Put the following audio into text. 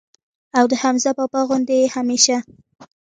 او د حمزه بابا غوندي ئې هميشه